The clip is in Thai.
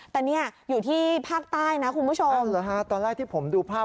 แต่เนี่ยอยู่ที่ภาคใต้นะคุณผู้ชมตอนแรกที่ผมดูภาพ